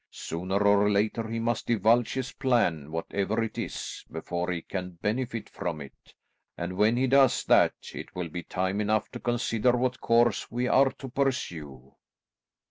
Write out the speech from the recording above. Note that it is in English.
Sooner or later he must divulge his plan, whatever it is, before he can benefit from it, and when he does that it will be time enough to consider what course we are to pursue."